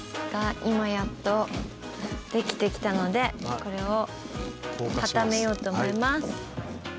今やっとできてきたのでこれを固めようと思います。